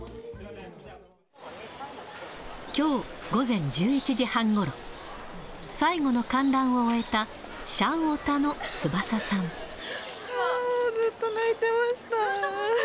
きょう午前１１時半ごろ、最後の観覧を終えた、シャンオタのつばずっと泣いてました。